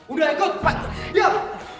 udah ikut pak diam